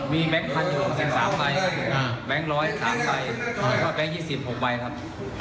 มีแบงค์๑๐๒๓ใบแบงค์๑๐๓ใบและแบงค์๒๖ใบครับ